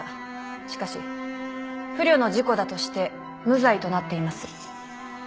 しかし不慮の事故だとして無罪となっています。